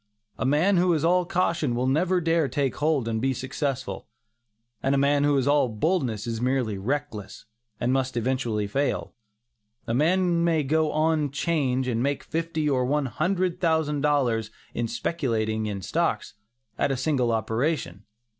A man who is all caution, will never dare to take hold and be successful; and a man who is all boldness, is merely reckless, and must eventually fail. A man may go on "'change" and make fifty or one hundred thousand dollars in speculating in stocks, at a single operation.